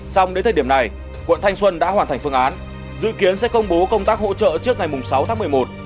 xong đến thời điểm này quận thanh xuân đã hoàn thành phương án dự kiến sẽ công bố công tác hỗ trợ trước ngày sáu tháng một mươi một